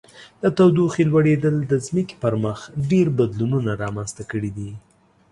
د تودوخې لوړیدل د ځمکې پر مخ ډیر بدلونونه رامنځته کړي دي.